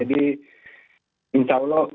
jadi insya allah